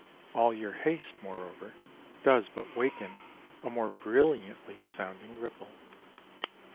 All your haste, moreover, does but waken a more brilliantly sounding ripple.